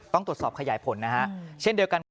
ต้องตรวจสอบขยายผลนะฮะเช่นเดียวกันครับ